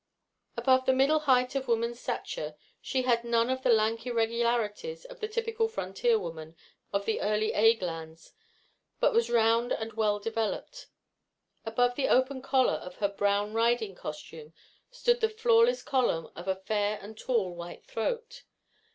Above the middle height of woman's stature, she had none of the lank irregularity of the typical frontier woman of the early ague lands; but was round and well developed. Above the open collar of her brown riding costume stood the flawless column of a fair and tall white throat.